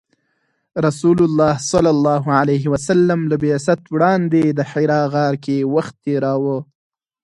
رسول الله ﷺ له بعثت وړاندې د حرا غار کې وخت تیراوه .